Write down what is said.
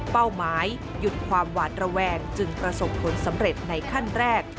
เป้าหมายหยุดความหวาดระแวงจึงประสบผลสำเร็จในขั้นแรก